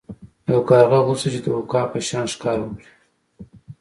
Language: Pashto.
یو کارغه غوښتل چې د عقاب په شان ښکار وکړي.